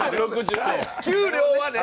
給料はね。